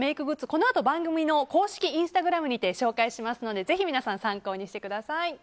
このあと番組の公式インスタグラムにて紹介しますのでぜひ皆さん参考にしてください。